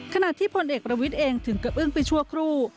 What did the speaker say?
ขณะที่พลเอกประวิทย์เองถึงกระอึ้งไปชั่วครู่